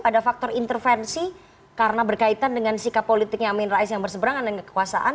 ada faktor intervensi karena berkaitan dengan sikap politiknya amin rais yang berseberangan dengan kekuasaan